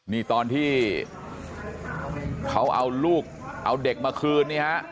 นี่ตอนที่เขาเอาลูกเอาเด็กมาคืนนี่ฮะ